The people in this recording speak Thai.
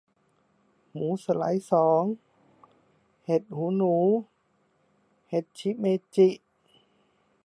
หมูสไลด์สอง เห็ดหูหนู เห็ดชิเมจิ